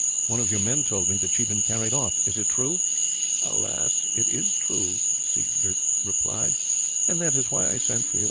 "One of your men told me that she had been carried off. Is it true?" "Alas! it is true," Siegbert replied; "and that is why I sent for you.